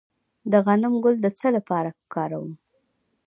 د غنم ګل د څه لپاره وکاروم؟